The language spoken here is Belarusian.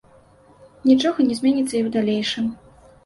Нічога не зменіцца і ў далейшым.